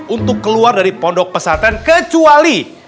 untuk keluar dari pondok pesantren kecuali